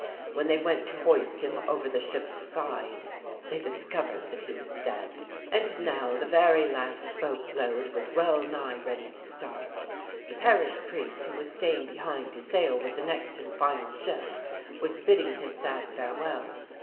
When they went to hoist him over the ship's side they discovered that he was dead. And now the very last boatload was well nigh ready to start. The parish priest, who was staying behind to sail with the next and final ship, was bidding his sad farewells.